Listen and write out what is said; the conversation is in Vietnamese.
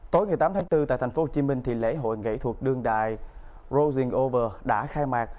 tối một mươi tám tháng bốn tại tp hcm lễ hội nghệ thuật đương đại rosing over đã khai mạc